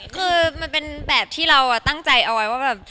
คือมันเป็นแบบที่เราตั้งใจเอาไว้ว่าแบบ